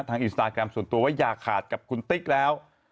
อินสตาแกรมส่วนตัวว่าอย่าขาดกับคุณติ๊กแล้ว